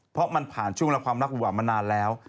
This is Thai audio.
เพราะมันผ่านช่วงละความรักหวานมานานแล้ว